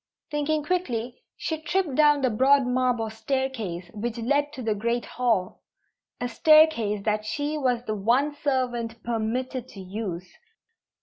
Thinking quickly, she tripped down the broad marble staircase which led to the great hall a staircase that she was the one servant permitted to use.